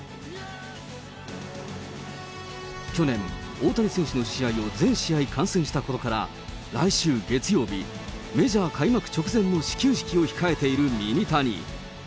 去年、大谷選手の試合を全試合観戦したことから、来週月曜日、メジャー開幕直前の始球式を控えているミニタニ。